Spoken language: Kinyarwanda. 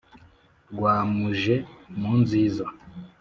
Rwamuje mu nziza